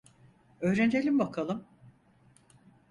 Öğrenelim bakalım.